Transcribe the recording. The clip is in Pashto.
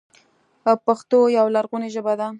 پښتو يوه لرغونې ژبه ده.